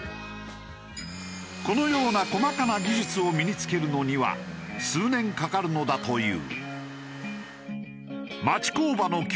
このような細かな技術を身に付けるのには数年かかるのだという。